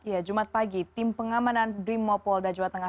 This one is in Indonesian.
iya jumat pagi tim pengamanan drimopol da jawa tengah